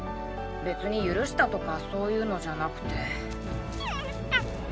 別に許したとかそーゆーのじゃなくて。